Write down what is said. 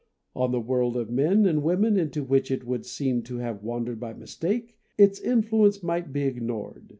On the world of men and women into which it would seem to have wandered by mistake its influence might be ignored.